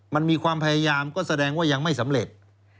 มันมีความพยายามก็แสดงว่ายังไม่สำเร็จ